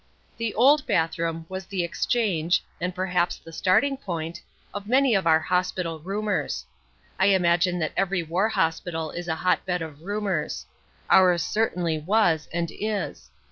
The "old" bathroom was the exchange (and perhaps the starting point) of many of our hospital rumours. I imagine that every war hospital is a hotbed of rumours. Ours certainly was, and is.